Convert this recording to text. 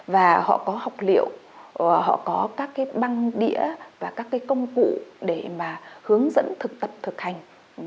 và họ có học liệu họ có các cái băng đĩa và các cái công cụ để mà hướng dẫn thực tập thực hành